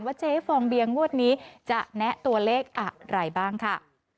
เจ๊ฟองเบียงงวดนี้จะแนะตัวเลขอะไรบ้างค่ะ